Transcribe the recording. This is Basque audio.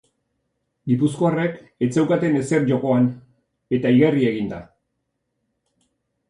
Gipuzkoarrek ez zeukaten ezer jokoan eta igarri egin da.